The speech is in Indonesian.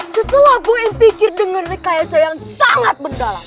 setelah gue pikir denger rekayasa yang sangat mendalam